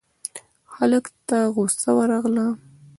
هلک ته غوسه ورغله: